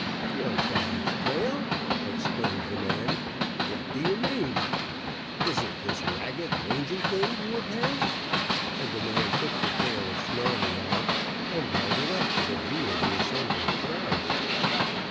"Your dog's tail!" exclaimed the man, "what do you mean? Is it this ragged mangy thing you would have?" and the man took the tail of Snarleyyow, and held it up to the view of the assembled crowd.